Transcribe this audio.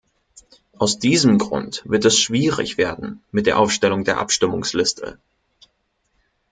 Aus diesem Grund wird es schwierig werden mit der Aufstellung der Abstimmungsliste.